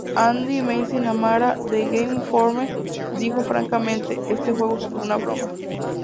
Andy McNamara, de "Game Informer", dijo: "Francamente, este juego es una broma.